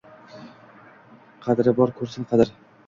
Qadri bor ko’rsin qadr.